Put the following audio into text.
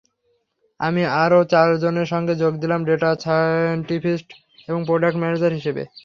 আমি আরও চারজনের সঙ্গে যোগ দিলাম ডেটা সায়েন্টিস্ট এবং প্রোডাক্ট ম্যানেজার হিসেবে।